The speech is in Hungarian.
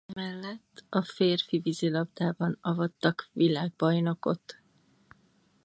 Emellett a férfi vízilabdában avattak világbajnokot.